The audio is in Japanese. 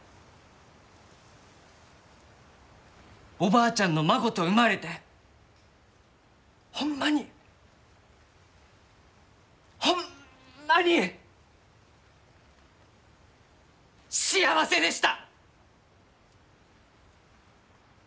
おばあちゃんの孫と生まれてホンマにホンマに幸せでした！